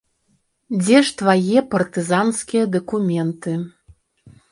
Дзе ж твае партызанскія дакументы!